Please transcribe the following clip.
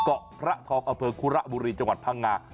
เกาะพระทองอำเภอคุระบุรีจังหวัดพังงา